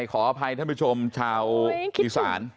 ขออภัยท่านผู้ชมชาวอีสาน